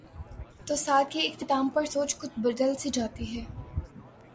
تو سال کے اختتام پر سوچ کچھ بدل سی جاتی ہے۔